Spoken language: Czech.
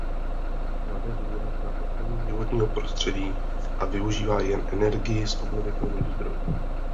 Klade důraz na ochranu životního prostředí a využívá jen energii z obnovitelných zdrojů.